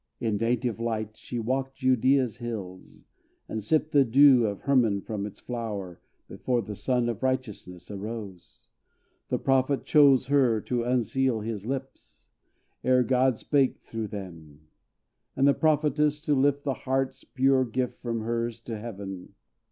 In native light, she walked Judea's hills, And sipped the dew of Hermon from its flower Before the Sun of righteousness arose. The Prophet chose her to unseal his lips, Ere God spake through them; and the Prophetess, To lift the heart's pure gift from her's to Heaven.